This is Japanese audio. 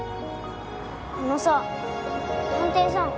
あのさ探偵さん。